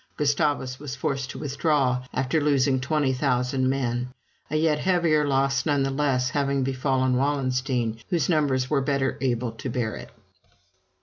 Gustavus was forced to withdraw, after losing 20,000 men; a yet heavier loss, nevertheless, having befallen Wallenstein, whose numbers were better able to bear it.